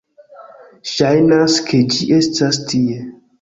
Ŝajnas, ke ĝi estas tie